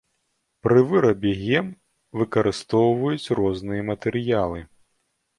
Пры вырабе гем выкарыстоўваюць розныя матэрыялы.